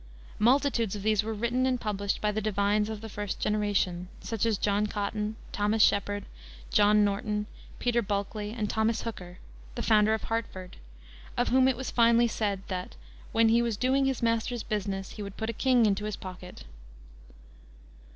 Multitudes of these were written and published by the divines of the first generation, such as John Cotton, Thomas Shepard, John Norton, Peter Bulkley, and Thomas Hooker, the founder of Hartford, of whom it was finely said that "when he was doing his Master's business he would put a king into his pocket."